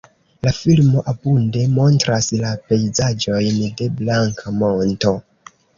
La filmo abunde montras la pejzaĝojn de Blanka Monto.